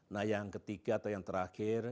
nah yang ketiga atau yang terakhir